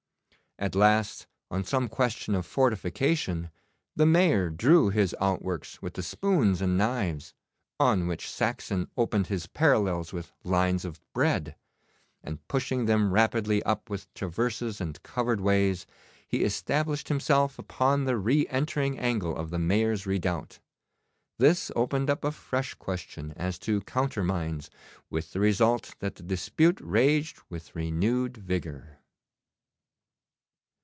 At last, on some question of fortification, the Mayor drew his outworks with the spoons and knives, on which Saxon opened his parallels with lines of bread, and pushing them rapidly up with traverses and covered ways, he established himself upon the re entering angle of the Mayor's redoubt. This opened up a fresh question as to counter mines, with the result that the dispute raged with renewed vigour.